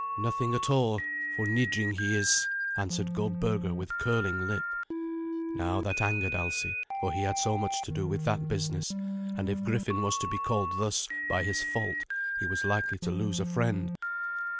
"Nothing at all, for nidring he is," answered Goldberga with curling lip. Now that angered Alsi, for he had so much to do with that business; and if Griffin was to be called thus by his fault, he was likely to lose a friend.